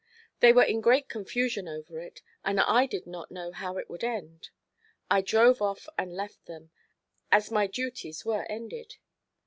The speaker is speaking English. They were in great confusion over it and I did not know how it would end. I drove off and left them, as my duties were ended.